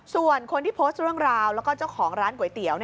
ส่วนคนที่โพสต์เรื่องราวแล้วก็เจ้าของร้านก๋วยเตี๋ยว